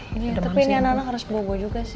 tapi ini anak anak harus bobo juga sih